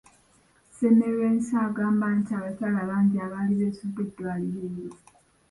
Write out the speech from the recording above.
Semmelwesi agamba nti abakyala bangi abaali beesudde eddwaliro eryo.